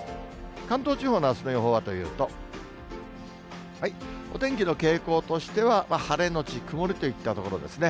関東地方のあすの予報はというと、お天気の傾向としては、晴れ後曇りといったところですね。